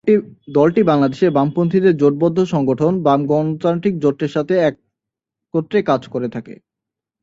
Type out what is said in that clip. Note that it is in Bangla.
দলটি বাংলাদেশে বামপন্থীদের জোটবদ্ধ সংগঠন বাম গণতান্ত্রিক জোটের সাথে একত্রে কাজ করে থাকে।